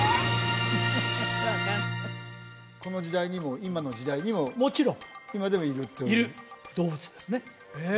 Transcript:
この時代にも今の時代にももちろん今でもいるといういる動物ですねえ？